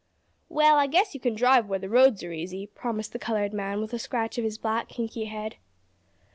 "Well I guess you kin drive, where the roads are easy," promised the colored man, with a scratch of his black, kinky head.